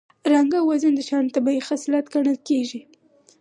رنګ او وزن د شیانو طبیعي خصلت ګڼل کېږي